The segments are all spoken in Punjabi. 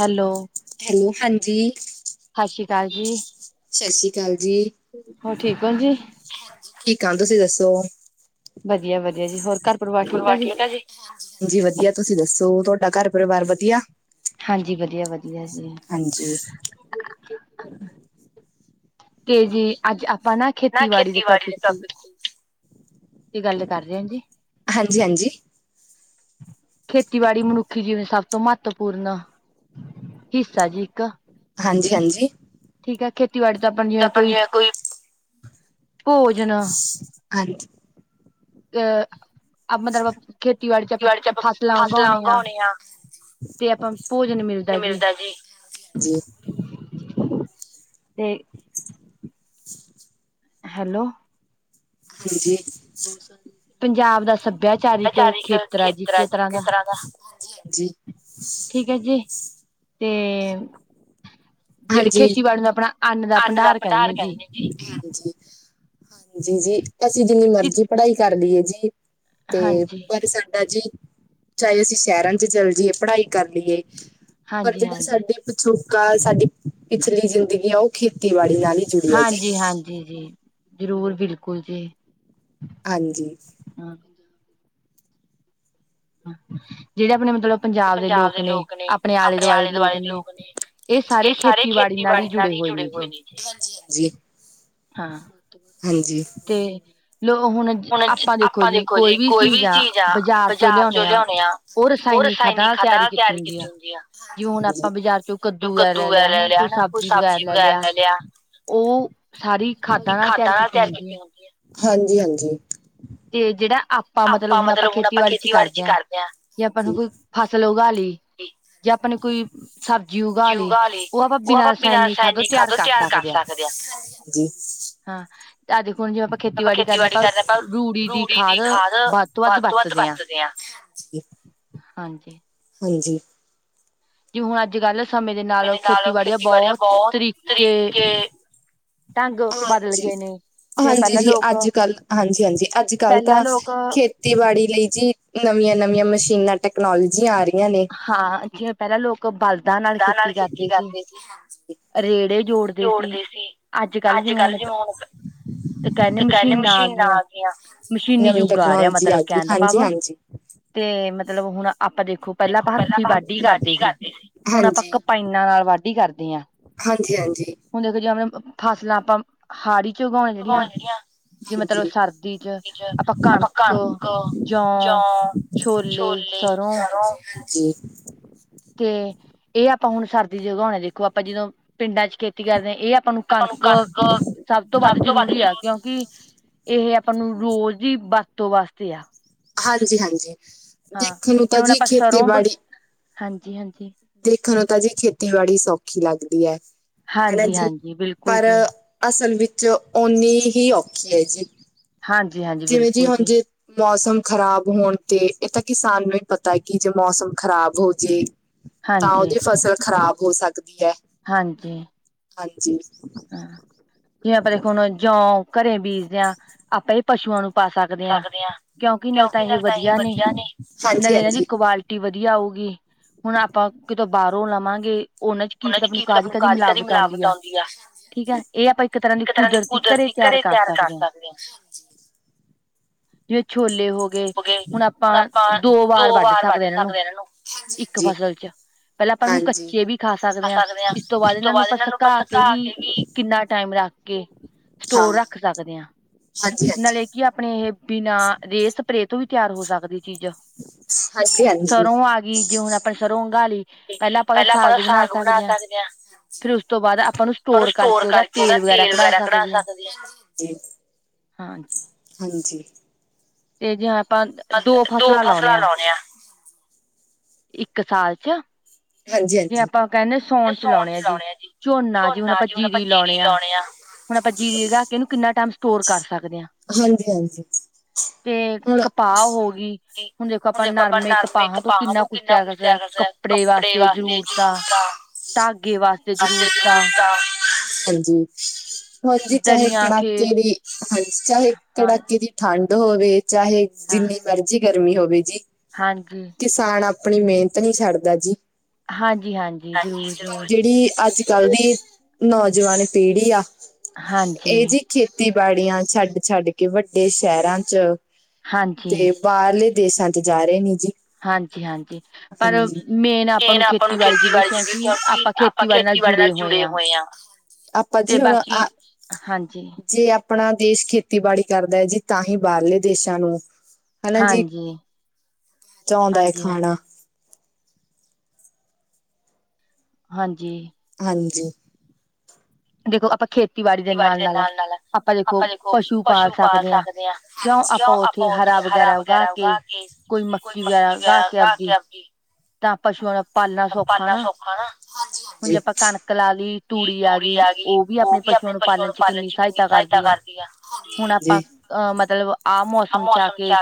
ਹੈਲੋ, ਸਸ ਸ਼੍ਰੀ ਕਾਲ ਜੀ। ਸਸ ਸ਼੍ਰੀ ਕਾਲ ਜੀ। ਹੋਰ ਠੀਕ ਓ ਜੀ? ਠਿਕਾਂ ਤੁਸੀਂ ਦੱਸੋ? ਵਧੀਆ-ਵਧੀਆ ਜੀ ਹੋਰ ਘਰ ਪਰਿਵਾਰ ਠੀਕਾ ਜੀ। ਹਾਂਜੀ ਵਧੀਆ। ਤੁਸੀਂ ਦੱਸੋ ਤੁਹਾਡਾ ਘਰ ਪਰਿਵਾਰ ਵਧੀਆ। ਹਾਂਜੀ ਵਧੀਆ-ਵਧੀਆ ਜੀ। ਤੇ ਜੀ ਅੱਜ ਆਪਾਂ ਨਾ ਖੇਤੀਬਾੜੀ ਦੇ ਟੋਪਿਕ ਦੀ ਕੀ ਗੱਲ ਕਰ ਰਿਆ ਜੀ ਖੇਤੀਬਾੜੀ ਮਨੁੱਖੀ ਜੀਵਨ ਸਭ ਤੋਂ ਮਹੱਤਵਪੂਰਨ ਹਿੱਸਾ ਜੀ ਇੱਕ। ਹਾਂਜੀ-ਹਾਂਜੀ। ਠੀਕਾ ਖੇਤੀਬਾੜੀ ਤਾਂ ਆਪਾਂ ਜਿਵੇਂ ਕੋਈ ਭੋਜਨ ਹਾਂਜੀ। ਅ ਮਤਲਬ ਖੇਤੀਬਾੜੀ ਚ ਆਪਾਂ ਫਸਲਾਂ ਉਗਾਣੇ ਆ ਤੇ ਆਪਾਂ ਭੋਜਨ ਮਿਲਦਾ ਜੀ। ਤੇ ਹੈਲੋ। ਹਾਂਜੀ। ਪੰਜਾਬ ਦਾ ਸਭ ਭਿਆਚਾਰਿਕ ਖੇਤਰ ਆ ਜੀ ਇੱਕ ਤਰ੍ਹਾਂ ਦਾ ਠੀਕ ਐ ਜੀ। ਤੇ ਜ ਖੇਤੀਬਾੜੀ ਨੂੰ ਆਪਣਾ ਅੰਨ ਦਾ ਭੰਡਾਰ ਕੈਂਦੇ ਨੇ ਜੀ। ਹਾਂਜੀ-ਹਾਂਜੀ ਜੀ ਅਸੀਂ ਜਿੰਨੀ ਮਰਜੀ ਪੜ੍ਹਾਈ ਕਰ ਲੀਏ ਜੀ ਤੇ ਪਰ ਸਾਡਾ ਜੀ ਚਾਏ ਅਸੀਂ ਸ਼ੈਰਾਂ ਚ ਚੱਲ ਜੀਏ ਪੜ੍ਹਾਈ ਕਰ ਲੀਏ ਜੇੜਾ ਸਾਡੇ ਪਿਛੋਕਾ ਸਾਡੀ ਪਿਛਲੀ ਜ਼ਿੰਦਗੀ ਆ ਓ ਖੇ ਹਾਂਜੀ-ਹਾਂਜੀ ਜੀ ਜ਼ਰੂਰ ਬਿਲਕੁੱਲ ਜੀ। ਹਾਂਜੀ। ਹਾਂ ਹਾਂ ਜੇੜਾ ਆਪਣੇ ਮਤਲਬ ਪੰਜਾਬ ਦੇ ਲੋਕ ਨੇ ਆਪਣੇ ਆਲੇ ਦੁਆਲੇ ਦੇ ਲੋਕ ਨੇ ਏ ਸਾਰੇ ਖੇਤੀਬਾੜੀ ਨਾਲ ਈ ਜੁੜੇ ਹੋਏ ਨੇ [unintelligible] ਹਾਂਜੀ-ਹਾਂਜੀ ਹਾਂ ਤੇ ਲੋ ਹੁਣ ਆਪਾਂ ਦੇਖੋ ਜੀ ਕੋਈ ਵੀ ਚੀਜ਼ ਆ ਬਾਜ਼ਾਰ ਚੋਂ ਲਿਓਣੇ ਆ ਓ ਰਸਾਇਣਿਕ ਖਾਦਾਂ ਤਿਆਰੀ ਕੀਤੀ ਹੁੰਦੀ ਆ ਜਿਓ ਹੁਣ ਆਪਾਂ ਬਾਜ਼ਾਰ ਚੋਂ ਕੱਦੂ ਵੈ ਲੈ ਲਿਆ ਹਨਾ ਕੋਈ ਸਬ ਜੀ ਵਗੈਰਾ ਲੈ ਲਿਆ ਓ ਸਾਰੀ ਖਾਦਾਂ ਨਾਲ ਤੇਆਰ ਕੀਤੀਆਂ ਜਾਂਦੀਆਂ। ਹਾਂਜੀ-ਹਾਂਜੀ। ਤੇ ਜੇੜਾ ਆਪਾਂ ਮਤਲਬ ਹੁਣ ਆਪਾਂ ਖੇਤੀਬਾੜੀ ਚ ਕਰਦੇ ਆਂ, ਯਾ ਆਪਾਂ ਨੂੰ ਕੋਈ ਫਸਲ ਉਗਾ ਲੀ ਜਾਂ ਆਪਣੇ ਕੋਈ ਸਬਜ਼ੀ ਉਗਾ ਲੀ ਓ ਆਪਾਂ ਬਿਨਾ ਰਸਾਇਣਿਕ ਖਾਦੋਂ ਤੇਆਰ ਕਰ ਸਕਦੇ ਆਂ। ਹਾਂ, ਤਾਂ ਦੇਖੋ ਹੁਨ ਜਿਵੇਂ ਆਪਾਂ ਖੇਤੀਬਾੜੀ ਕਰਨੇ ਆਪਾਂ ਰੂੜੀ ਦੀ ਖਾਦ ਵੱਧ ਤੋਂ ਵੱਧ ਵਰਤਦੇ ਆਂ। ਹਾਂਜੀ। ਜਿ ਹੁਣ ਅੱਜ ਕੱਲ ਸਮੇਂ ਦੇ ਨਾਲ ਖੇਤੀਬਾੜੀ ਦਾ ਬੋਤ ਤਰੀਕੇ ਢੰਗ ਬਦਲ ਗੇ ਨੇ। ਹਾਂਜੀ ਜੀ ਅੱਜ-ਕੱਲ, ਹਾਂਜੀ ਹਾਂਜੀ ਅੱਜ ਕੱਲ ਤਾਂ ਖੇ ਖੇਤੀਬਾੜੀ ਲਈ ਜੀ ਨਵੀਆਂ ਨਵੀਆਂ ਮਸ਼ੀਨਾਂ ਟੈਕਨੋਲੋਜੀਆਂ ਆ ਰੀਆਂ ਨੇ। ਹਾਂ, ਜਿਵੇਂ ਪੈਲਾਂ ਲੋਕ ਬਲਦਾਂ ਨਾਲ ਖੇਤੀ ਕਰਦੇ ਸੀ। [unintelligible] ਰੇੜੇ ਜੋੜਦੇ ਸੀ। ਅੱਜ-ਕੱਲ ਜਿਵੇਂ ਹੁਣ ਤੇ ਕੈਂਦੇ ਮਸ਼ੀਨਾਂ ਆ ਗੀਆਂ, ਮਸ਼ੀਨੀ ਯੁਗ ਆ ਰੇਆ ਮਤਲਬ ਕੈਨ ਦਾ ਭਾਵ। ਤੇ ਮਤਲਬ ਹੁਨ ਆਪਾਂ ਦੇਖੋ ਪੇਲਾਂ ਆਪਾਂ ਹੱਥੀਂ ਵਾਢੀ ਕਰਦੇ ਸੀ। ਹੁਣ ਆਪਾਂ ਕਪਾਈਨਾਂ ਨਾਲ ਵਾਢੀ ਕਰਦੇ ਆਂ। ਹਾਂਜੀ ਹਾਂਜੀ। ਹੁਣ ਦੇਖੋ ਜੈਵੇਂ ਫਸਲਾਂ ਆਪਾਂ ਹਾੜੀ ਚ ਉਗਾਉਣੇ ਜੇੜੀਆਂ। ਹਾਂਜੀ, ਬੀਜਣ ਆਪਾਂ ਕਣਕ, ਜੌ ਛੋਲੇ, ਸਰੋਂ ਜੀ। ਕੇ ਏ ਆਪਾਂ ਹੁਣ ਸਰਦੀ ਚ ਉਗੋਣੇ ਦੇਖੋ ਆਪਾਂ ਜਿਦੋਂ ਪਿੰਡਾਂ ਚ ਖੇਤੀ ਕਰਦੇ ਆਂ ਏ ਆਪਾਂ ਨੂੰ ਕਣਕ, ਸਭ ਤੋਂ ਵੱਧ ਜਰੂਰੀ ਐ ਕਿਉਂਕਿ ਏਹ ਆਪਾਂ ਨੂੰ ਰੋਜ ਈ ਬਰਤੋਂ ਵਾਸਤੇ ਆ। ਹਾਂਜੀ ਜੀ ਹਾਂਜੀ, ਦੇਖਨ ਨੂੰ ਤਾਂ ਜੀ ਖੇਤੀਬਾੜੀ ਹਾਂਜੀ ਹਾਂਜੀ। ਦੇਖਣ ਨੂੰ ਤਾਂ ਜੀ ਖੇਤੀਬਾੜੀ ਸੌਖੀ ਲੱਗਦੀ ਐ, ਹਨਾ ਜੀ। ਪਰ ਅਸਲ ਵਿੱਚ ਓਨੀ ਹੀ ਔਖੀ ਐ ਜੀ। ਹਾਂਜੀ ਹਾਂਜ ਜਿਵੇਂ ਜੀ ਹਾਂਜੀ। ਮੌਸਮ ਖ਼ਰਾਬ ਹੋਣ ਤੇ, ਏ ਤਾਂ ਕਿਸਾਨ ਨੂੰ ਈ ਪਤਾ ਕਿ ਜੇ ਮੌਸਮ ਖ਼ਰਾਬ ਹੋਜੇ ਤਾਂ ਓਦੀ ਫਸਲ ਖਰਾਬ ਹੋ ਸਕਦੀ ਐ। ਹਾਂਜੀ। ਹਾਂਜੀ। ਹਾਂ, ਜਿਵੇਂ ਆਪਾਂ ਦੇਖੋ ਹੁਣ ਜੌਂ ਘਰੇ ਬੀਜਦੇ ਆਂ। ਆਪਾਂ ਜੀ ਪਸੂ਼ਆਂ ਨੂੰ ਪਾ ਸਕ ਸਕਦੇ ਆਂ। ਕਿਉਂਕਿ ਨਾਲ ਤਾਂ ਏਹ ਵਧੀਆ ਨੇ, ਨਾਲ ਏਨਾਂ ਦੀ ਕੁਆਲ ਰਟੀ ਵਧੀਆ ਆਊਗੀ। ਹੁਣ ਆਪਾਂ ਕਿਤੋਂ ਬਾਰੋਂ ਲਵਾਂਗੇ ਓਨਾਂ ਚ ਕੀ ਪਤਾ ਆਪ ਨੂੰ ਕਾਦੀ-ਕਾਦੀ ਮਲਾਵਟ ਆਉਂਦੀ ਆ। ਦੀ ਆ। ਠੀਕ ਐ। ਏ ਆਪਾਂ ਇੱਕ ਤਰਾਂ ਦੀ ਕੁਦਰਤੀ ਘਰੇ ਤੇਆਰ ਕਰ ਸਕਦੇ ਆਂ। ਜਿਵੇਂ ਛੋਲੇ ਹੋ ਗਏ। ਹੁਣ ਆਪਾਂ ਦੋ ਵਾਰ ਵੱਢ ਸਕਦੇ ਆਂ ਏਨਾਂ ਨੂੰ, ਇੱਕ ਫਸਲ ਚ। ਪੈਲਾਂ ਆਪਾਂ ਏਨੂੰ ਕੱਚੇ ਵੀ ਖਾ ਸਕਦੇ ਆਂ। ਇਸ ਤੋਂ ਬਾਦ ਏਨਾਂ ਨੂੰ ਆਪਾਂ ਸਕਾ ਕੇ ਵੀ ਕਿੰਨਾ ਟਾਈਮ ਰੱਖ ਕੇ ਸਟੋਰ ਰੱਖ ਸਕਦੇ ਆਂ। ਨਾਲੇ ਕੀ ਅਪਣੇ ਏਹ ਬਿਨਾਂ ਰੇ ਸਪਰੇ ਤੋਂ ਵੀ ਤੇਆਰ ਹੋ ਸਕਦੀ ਚੀਜ। ਸਰ੍ਹੋਂ ਆ ਗਈ ਜੇ ਹੁਣ ਆਪਣੇ ਸਰ੍ਹੋਂ ਉਘਾਲੀ ਪੈਲਾਂ ਆਪਾਂ ਸਾਗ ਬਣਾ ਸਕਦੇ ਹਾਂ। ਫਿਰ ਉਸ ਤੋਂ ਬਾਦ ਆਪਾਂ ਨੂੰ ਉਨੂੰ ਸਟੋਰ ਕਰਕੇ ਉਦਾ ਤੇਲ ਵਗੈਰਾ ਕਢਾ ਸਕਦੇ ਜੀ। ਹਾਂਜੀ ਤੇ ਜੇ ਆਪਾਂ ਦੋ ਫਸਲਾਂ ਲਾਉਣੇ ਆ। ਇੱਕ ਸਾਲ 'ਚ ਜੇ ਆਪਾਂ ਕੈਣੇ ਸੌਣ 'ਚ ਲਾਉਣੇ ਆ ਜੀ ਝੋਨਾ ਜੀ ਹੁਣ ਆਪਾਂ ਜੀਰੀ ਲਾਉਣੇ ਆ। ਹੁਣ ਆਪਾਂ ਜੀਰੀ ਰੱਖ ਕੇ ਇਨੂੰ ਕਿੰਨਾ ਟੈਮ ਸਟੋਰ ਕਰ ਸਕਦੇ ਹਾਂ। ਹਾਂਜੀ-ਹਾਂਜੀ ਤੇ ਕਪਾਹ ਹੋ ਗਈ ਹੁਣ ਦੇਖੋ ਆਪਾਂ ਨਰਮੇ ਕਪਾਹਾਂ ਤੋਂ ਕਿੰਨਾ ਕੁਝ ਤਿਆਰ ਕਰ ਸਕਦੇ ਹਾਂ ਕਪ ਕੱਪੜੇ ਵਾਸਤੇ ਜ਼ਰੂਰਤ ਆ ਧਾਗੇ ਵਾਸਤੇ ਜ਼ਰੂਰਤ ਆ। ਹਾਂਜੀ ਹਾਂਜੀ ਚਾਹੇ ਕੜਾਕੇ ਦੀ ਹਾਂਜੀ ਚਾਹੇ ਕੜਾਕੇ ਦੀ ਠੰਡ ਹੋਵੇ ਚਾਹੇ ਜਿੰਨੀ ਮਰਜ਼ੀ ਗਰਮੀ ਹੋਵੇ ਜੀ। ਹਾਂਜੀ ਕਿਸਾਨ ਆਪਣੀ ਮਿਹਨਤ ਨੀ ਛੱਡਦਾ ਜੀ। ਹਾਂਜੀ-ਹਾਂਜੀ ਜੇੜੀ ਅੱਜ ਕੱਲ ਦੀ ਨੌਜਵਾਨ ਪੀੜ੍ਹੀ ਆ। ਏ ਜੀ ਖੇਤੀ ਬਾੜੀਆਂ ਛੱਡ-ਛੱਡ ਕੇ ਵੱਡੇ ਸ਼ਹਿਰਾਂ 'ਚ ਹਾਂਜੀ ਬਾਰਲੇ ਦੇਸਾਂ 'ਚ ਜਾ ਰਏ ਨੇ ਜੀ। ਹਾਂਜੀ-ਹਾਂਜੀ ਪਰ ਮੇਨ ਆਪਾਂ ਨੂੰ ਖੇਤੀਬਾੜੀ ਜ਼ਰੂਰੀ ਕਿਉ ਕਿਉਂਕਿ ਆਪਾਂ ਖੇਤੀਬਾੜੀ ਨਾਲ ਜੁੜੇ ਹੋਏ ਹਾਂ। ਆਪਾਂ ਜੀ ਹੁਣ ਆ। ਜੇ ਆਪਣਾ ਦੇਸ਼ ਖੇਤੀਬਾੜੀ ਕਰਦਾ ਐ ਜੀ ਤਾਂ ਹੀ ਬਾਰਲੇ ਦੇਸਾਂ ਨੂੰ ਹਨਾ ਜੀ ਚਾਉਂਦਾ ਏ ਖਾਣਾ ਹਾਂਜੀ ਹਾਂਜੀ ਦੇਖੋ ਆਪਾਂ ਖੇਤੀਬਾੜੀ ਦੇ ਨਾਲ-ਨਾਲ ਆਪਾਂ ਦੇਖੋ ਪਸੂ ਪਾਲ ਸਕਦੇ ਹਾਂ। ਕਿਉ ਆਪਾਂ ਉੱਥੇ ਹਰਾ ਵਗੈਰਾ ਉਗਾ ਕੇ ਕੋਈ ਮੱਕੀ ਵਗੈਰਾ ਉਗਾ ਕੇ ਆਪਦੀ ਤਾਂ ਪਸ਼ੂਆਂ ਦਾ ਪਾਲਣਾ ਸੌਖਾ ਨਾ ਹਾਂਜੀ-ਹਾਂਜੀ ਗੀ ਤੂੜੀ ਆ ਗਈ ਓ ਵੀ ਆਪਣੇ ਪਸੂਆਂ ਨੂੰ ਪਾਲਣ 'ਚ ਕਿੰਨੀ ਸਹਾਇਤਾ ਕਰ ਹਾਂਜੀ-ਹਾਂਜੀ ਅ ਮਤਲਬ ਆਹ ਮੌਸਮ 'ਚ ਆ ਕੇ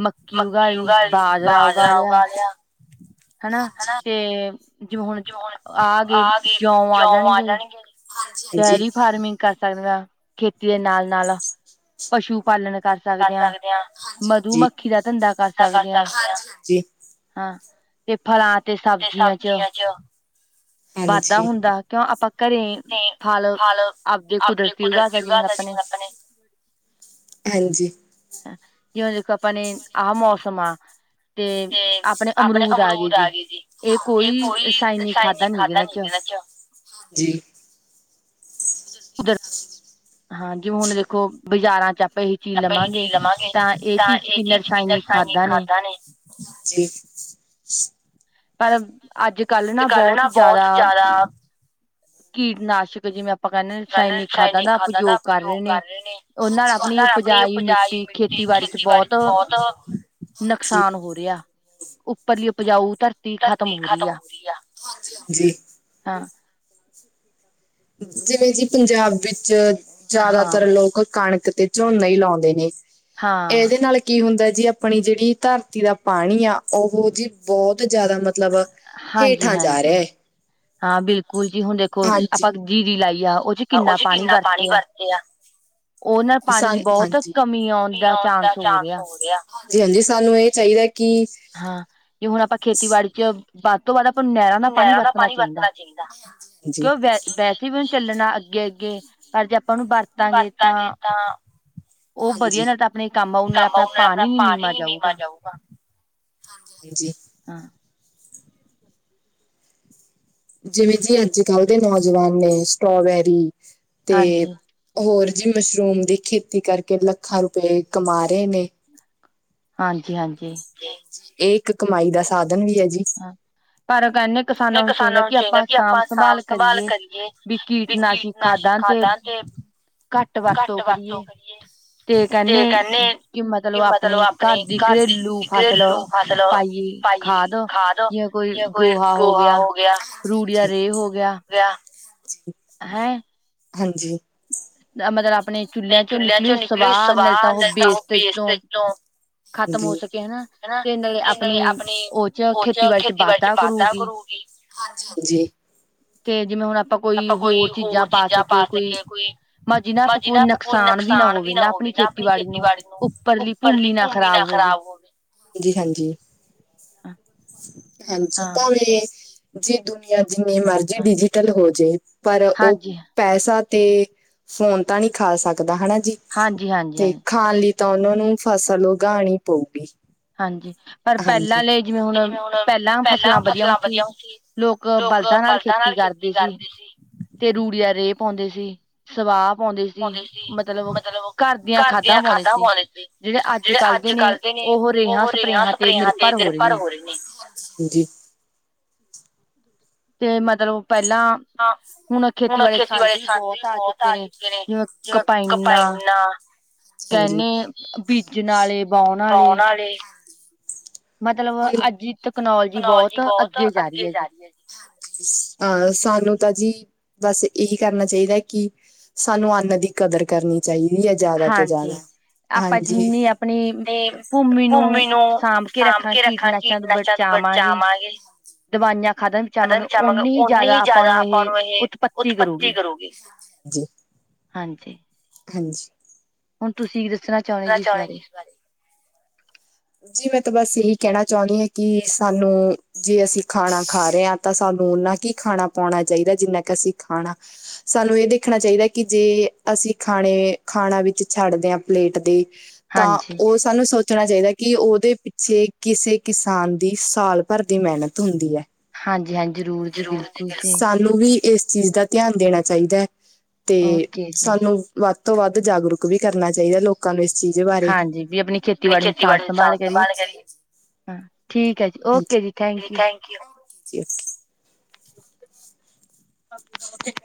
ਮੱਕੀ ਉਗਾ ਲਈ ਬਾਜਰਾ ਉਗਾ ਲਿਆ। ਹਨਾ ਤੇ ਜਿਵੇਂ ਹੁਣ ਆ ਗਏ ਜੌਂ ਆ ਜਾਣਗੇ। [inaudible] ਡੇਰੀ ਫਾਰਮਿੰਗ ਕਰ ਸਕਦੇ ਹਾਂ ਖੇਤੀ ਦੇ ਨਾਲ-ਨਾਲ ਪਸ਼ੂ ਪਾਲਣ ਕਰ ਸਕਦੇ ਹਾਂ ਮਧੂਮੱਖੀ ਦਾ ਧੰਦਾ ਕਰ ਸਕਦੇ ਹਾਂ। ਤੇ ਫਲਾਂ ਤੇ ਸਬਜ਼ੀਆਂ 'ਚ ਵਾਧਾ ਹੁੰਦਾ ਕਿਉ ਆਪਾਂ ਘਰੇ ਮਤਲਬ ਆਪਦੇ ਕੁਦਰਤੀ ਉਗਾ ਦਾ ਜਿਵੇ ਆਪਣੇ ਜਿਵੇਂ ਦੇਖੋ ਆਪਾਂ ਨੇ ਆਹ ਮੌਸਮ ਆ। ਤੇ ਆਪਣੇ ਅਮਰੂਦ ਆ ਗਏ ਜੀ ਏ ਕੋਈ ਰਸਾਇਣਿਕ ਖਾਦਾਂ ਨੀ ਜ ਇਨਾਂ 'ਚ ਜੀ ਕੁਦਰ ਹਾਂ ਜੀ ਹੁਣ ਦੇਖੋ ਬਾਜ਼ਾਰਾਂ ਚ ਆਪਾਂ ਇਹ ਚੀਜ਼ ਲਵਾਂਗੇ ਤਾਂ ਇਹ ਚੀਜ਼ ਵੀ ਰਸਾਇਣਿਕ ਖਾਦਾਂ ਨੇ ਪਰ ਅੱਜ ਕੱਲ ਨਾ ਬੌਤ ਜ਼ਿਆਦਾ ਕੀਟਨਾਸ਼ਕ ਜਿਵੇਂ ਆਪਾਂ ਕਹਿਨੇ ਰਸਾਇਣਿਕ ਖਾਦਾਂ ਦਾ ਉਪਯੋਗ ਕਰ ਰਹੇ ਨੇ ਉਨਾਂ ਨਾਲ ਆਪਣੀ ਉਪਜਾਈ ਮਿੱਟੀ ਖੇਤੀਬਾੜੀ ਚ ਬੌਤ ਨੁਕਸਾਨ ਹੋ ਰਿਹਾ ਉੱਪਰਲੀ ਉਪਜਾਊ ਧਰਤੀ ਖਤਮ ਹੋ ਰਹੀ ਆ ਹਾਂ [inaudible] ਜਿਵੇਂ ਜੀ ਪੰਜਾਬ ਵਿੱਚ ਜ਼ਿਆਦਾਤਰ ਲੋਕ ਕਣਕ ਤੇ ਝੋਨਾ ਈ ਲਾਉਂਦੇ ਨੇ ਇਹਦੇ ਨਾਲ ਕੀ ਹੁੰਦਾ ਜੀ ਆਪਣੀ ਜਿਹੜੀ ਧਰਤੀ ਦਾ ਪਾਣੀ ਆ ਉਹ ਜੀ ਬੌਤ ਜ਼ਿਆਦਾ ਮਤਲਬ ਹੇਠਾਂ ਜਾ ਰਿਹਾ ਐ ਹਾਂ ਬਿਲਕੁਲ ਜੀ ਹੁਣ ਦੇਖੋ ਆਪਾਂ ਜੀਰੀ ਲਾਈ ਆ ਉਹ ਚ ਕਿੰਨਾ ਪਾਣੀ ਵਰਤਿਆ ਉਹ ਨਾਲ ਪਾਣੀ ਦੀ ਬਹੁਤ ਕਮੀ ਆਉਣ ਦਾ ਚਾਂਸ ਹੋ ਰਿਹਾ ਹਾਂਜੀ ਹਾਂਜੀ ਸਾਨੂੰ ਇਹ ਚਾਈਦਾ ਕੀ ਹਾਂ ਜੇ ਹੁਣ ਆਪਾਂ ਖੇਤੀਬਾੜੀ ਚ ਵੱਧ ਤੋਂ ਵੱਧ ਆਪ ਨੂੰ ਨਹਿਰਾਂ ਦਾ ਪਾਣੀ ਵਰਤਣਾ ਚਾਈਦਾ ਕਿਉਂ ਵੈ ਵੈਸੇ ਵੀ ਚੱਲਣਾ ਅੱਗੇ ਅੱਗੇ ਪਰ ਜੇ ਆਪਾਂ ਉਨੂੰ ਵਰ ਵਰਤਾਗੇ ਤਾਂ ਹਾਜੀ, ਕੰਮ ਆਉ ਨਾਲੇ ਆਪਣਾ ਪਾਣੀ ਨੀ ਨੀਵਾਂ ਜਾਊਗਾ ਹਾਂਜੀ ਹਾਂਜੀ ਹਾਂ [inaudible] ਜਿਵੇਂ ਜੀ ਅੱਜ ਕੱਲ੍ਹ ਦੇ ਨੌਜਵਾਨ ਨੇ ਸਟ੍ਰੋਬੈਰੀ ਤੇ ਹੋਰ ਜੀ ਮਸ਼ਰੂਮ ਦੀ ਖੇਤੀ ਕਰਕੇ ਲੱਖਾਂ ਰੁਪਏ ਕਮਾ ਰਏ ਨੇ ਹਾਂਜੀ ਹਾਂਜੀ ਇਹ ਇੱਕ ਕਮਾਈ ਦਾ ਸਾਧਨ ਵੀ ਆ ਜੀ ਹਾਂ ਪਰ ਕਹਿੰਦੇ ਕਿਸਾਨਾਂ ਨੂੰ ਚਾਈਦਾ ਕਿ ਆਪਾਂ ਸਾਂਭ ਸੰਭਾਲ ਕਰੀਏ ਵੀ ਕੀਟਨਾਸ਼ਕ ਖਾਧਾਂ ਤੇ ਤੇ ਘੱਟ ਵਰਤੋਂ ਕਰੀਏ ਤੇ ਕਹਿੰਨੇ ਕਿ ਮਤਲਬ ਆਪਣੇ ਘਰ ਦੀ ਘਰੇਲੂ ਫਸਲ ਪਾਈਏ ਖਾਦ ਜਾਂ ਕੋਈ ਗੋਹਾ ਹੋ ਗਿਆ ਹੋ ਗਿਆ ਹੈਂ ਹਾਂਜੀ ਮਤਲਬ ਆਪਣੇ ਚੁੱਲ੍ਹਿਆਂ ਚੋਂ ਨਿਕਲੀ ਸਵਾਹ ਨਾਲ ਤਾਂ ਉਹ ਬੇਸਟਜ ਤੋਂ ਖਤਮ ਹੋ ਸਕੇ ਹਨਾ ਤੇ ਨਾਲੇ ਆਪਣੀ ਉਹਚ ਖੇਤੀਬਾੜੀ ਚ ਵਾਧਾ ਕਰੂਗੀ ਹਾਂਜੀ ਹਾਂਜੀ ਤੇ ਜਿਵੇਂ ਹੁਣ ਆਪਾਂ ਕੋਈ ਹੋਰ ਚੀਜ਼ਾਂ ਪਾ ਸਕੀਏ ਕੋਈ ਬਸ ਜੀਦਾ ਕੋਈ ਨੁਕਸਾਨ ਵੀ ਨਾ ਹੋਵੇ ਨਾ ਆਪਣੀ ਖੇਤੀਬਾੜੀ ਨੂੰ ਉੱਪਰਲੀ ਭੁੰਮੀ ਨਾ ਖ਼ਰਾਬ ਹੋਵੇ ਜੀ ਹਾਂਜੀ ਹਾਂਜੀ ਜੀ ਦੁਨੀਆਂ ਜਿੰਨੀ ਮਰਜੀ ਡਿਜੀਟਲ ਹੋਜੇ ਪਰ ਉਹ ਪੈਸਾ ਤੇ ਫੋਨ ਤਾਂ ਨੀ ਖਾ ਸਕਦਾ ਹਨਾ ਜੀ ਤੇ ਖਾਣ ਲਈ ਤਾਂ ਉਨਾ ਨੂੰ ਫਸਲ ਉਗਾਆਣੀ ਪਊਗੀ ਹਾਂਜੀ--ਤੇ ਜਿਵੇਂ-ਹੁਨ ਪਹਿਲਾਂ ਫਸਲਾਂ ਵਧੀਆ ਹੁੰਦੀ ਲੋਕ ਬਲਦਾਂ ਨਾਲ ਖੇਤੀ ਕਰਦੇ ਸੀ। ਤੇ ਰੂੜੀ ਦਾ ਰੇਹ ਪਾਉਂਦੇ ਸੀ। ਸਵਾਹ ਪਾਉਂਦੇ ਸੀ। ਪਾਉਂਦੇ ਸੀ, ਮਤਲਬ ਘਰ ਦੀਆਂ ਖਾਦਾਂ ਪਾਉਂਦੇ ਸੀ। ਜਿਹੜੇ ਅੱਜ- ਕੱਲ ਨੇ ਉਹ ਰੇਹਾਂ-ਸਪਰੇਹਾਂ ਤੇ ਨਿਰਭਰ ਹੋ ਰਹੇ ਨੇ ਤੇ ਮਤਲਬ ਪਹਿਲਾਂ ਹੁਣ ਖੇਤੀਬਾੜੀ ਸੰਦ ਵੀ ਬਹੁਤ ਆ ਚੁੱਕੇ ਨੇ ਜਿਵੇਂ-ਕਪਾਈਨਾ ਕੈਨੇ ਬੀਜਣ ਆਲੇ, ਬੋਹਣ ਆਲੇ ਮਤਲਬ ਅੱਜ ਤਕਨੋਲੋਜੀ ਬਹੁਤ ਅੱਗੇ ਜਾ ਰਹੀ ਹੈ ਜੀ। ਅ--ਸਾਨੂੰ ਤਾਂ ਜੀ ਬਸ, ਇਹੀ ਕਰਨਾ ਚਾਹੀਦਾ ਕਿ ਸਾਨੂੰ ਅੰਨ ਦੀ ਕਦਰ ਕਰਨੀ ਚਾਹੀਦੀ ਹੈ ਜਾਦਾ ਤੋਂ ਜਾਦਾ ਆਪਾਂ ਜਿੰਨੀ ਆਪਣੀ ਭੂਮੀ ਨੂੰ ਸਾਂਭ ਕੇ ਰੱਖਾਂ ਕੀਟਨਾਸ਼ਾਂ ਤੋਂ ਬਚਾਵਾਂ ਗੇ ਦਵਾਈਆਂ ਖਾਦਾਂ ਪਚਾਵਾਂਗੇ ਓਨੀ ਹੀ ਜ਼ਿਆਦਾ ਆਪਾਂ ਉਹਨੂੰ ਇਹ ਉਤਪਤੀ ਕਰੂਗੀ ਹਾਂਜੀ ਹਾਂਜੀ ਹੁਣ ਤੁਸੀਂ ਕੀ ਦੱਸਣਾ ਣਾ ਚਾਹਾਂ ਜੀ ਇਸ ਬਾਰੇ ਜੀ, ਮੈਂ ਤਾਂ ਬਸ ਇਹੀ ਕਹਿਣਾ ਚੋਨੀ ਹਾਂ ਕਿ ਸਾਨੂੰ ਜੇ ਅਸੀਂ ਖਾਣਾ ਖਾ ਰਹੇ ਹਾਂ। ਤਾਂ ਸਾਨੂੰ ਓਨਾ ਕਿ ਖਾਣਾ ਪਾਉਣਾ ਚਾਹੀਦਾ ਜਿੰਨਾ ਕਿ ਅਸੀਂ ਖਾਣਾ ਸਾਨੂੰ ਇਹ ਦੇਖਣਾ ਚਾਹੀਦਾ ਕਿ ਜੇ ਅਸੀਂ ਖਾਣੇ, ਖਾਣਾ ਵਿੱਚ ਛੱਡਦੇ ਹਾਂ ਪਲੇਟ ਦੇ ਤਾਂ ਉਹ ਸਾਨੂੰ ਸੋਚਣਾ ਚਾਹੀਦਾ ਕਿ ਉਹਦੇ ਪਿੱਛੇ ਕਿਸੇ ਕਿਸਾਨ ਦੀ ਸਾਲ ਭਰ ਦੀ ਮਿਹਨਤ ਹੁੰਦੀ ਹੈ। ਹਾਂਜੀ, ਹਾਂਜੀ। ਜ਼ਰੂਰ ਜੀ, ਬਿਲਕੁਲ ਜੀ ਨੂੰ ਵੀ ਇਸ ਚੀਜ਼ ਦਾ ਧਿਆਨ ਦੇਣਾ ਚਾਹੀਦਾ ਹੈ ਤੇ ਸਾਨੂੰ ਵੱਧ ਤੋਂ ਵੱਧ ਜਾਗਰੂਕ ਵੀ ਕਰਨਾ ਚਾਹੀਦਾ, ਲੋਕਾਂ ਨੂੰ ਇਸ ਚੀਜ਼ ਬਾਰੇ [unintelligible] [unintelligible] [unintelligible]